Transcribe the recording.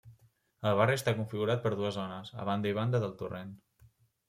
El barri està configurat per dues zones, a banda i banda del torrent.